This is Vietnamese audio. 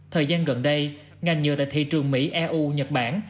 thời gian gần đây ngành nhựa tại thị trường mỹ eu nhật bản